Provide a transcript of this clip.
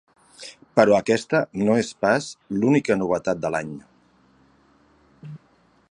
Però aquesta no és pas l’única novetat de l’any.